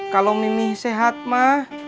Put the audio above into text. kalau mi sehat ma